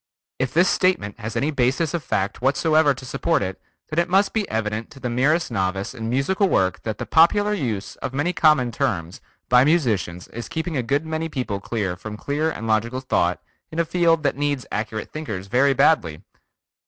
If this statement has any basis of fact whatsoever to support it then it must be evident to the merest novice in musical work that the popular use of many common terms by musicians is keeping a good many people from clear and logical thought in a field that needs accurate thinkers very badly!